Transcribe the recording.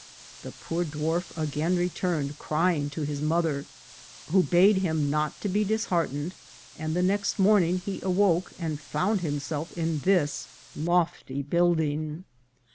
The poor dwarf again returned crying to his mother, who bade him not to be disheartened, and the next morning he awoke and found himself in this lofty building.